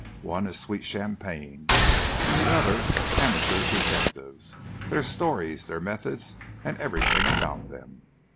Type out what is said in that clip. One is sweet champagne and the other amateur detectives their stories, their methods and everything about them.